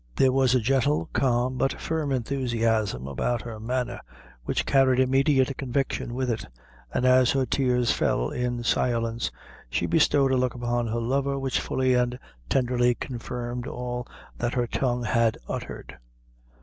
There was a gentle, calm, but firm enthusiasm about her manner, which carried immediate conviction with it, and as her tears fell in silence, she bestowed a look upon her lover which fully and tenderly confirmed all that her tongue had uttered.